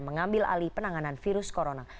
mengambil alih penanganan virus corona